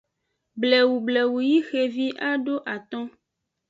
Blewu blewu yi xevi ado aton.